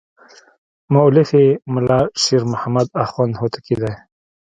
مؤلف یې ملا شیر محمد اخوند هوتکی دی.